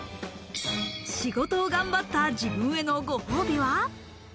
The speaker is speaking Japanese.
仕事を頑張った自分へのご褒美は。